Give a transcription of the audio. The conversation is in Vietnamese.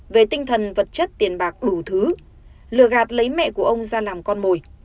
về tinh thần vật chất tiền bạc đủ thứ lừa gạt lấy mẹ của ông ra làm con mồi